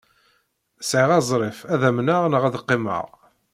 Sɛiɣ azref ad amneɣ neɣ ad qqimeɣ.